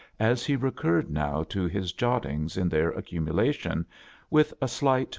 as he recurred now to ■.' i^s jottibgii ' iti '"Jkeir accumulatton, with a'slighjt.